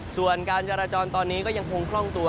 ส่วนการจราจรตอนนี้ก็ยังคงคล่องตัว